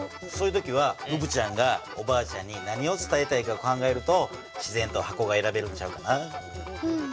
そういう時はうぶちゃんがおばあちゃんに何を伝えたいかを考えると自然と箱が選べるんちゃうかな。